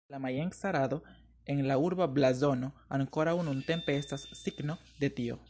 La majenca rado en la urba blazono ankoraŭ nuntempe estas signo de tio.